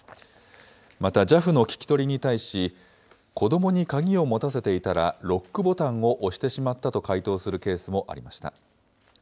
また、ＪＡＦの聞き取りに対し、子どもに鍵を持たせていたら、ロックボタンを押してしまったと回答するケースもありました。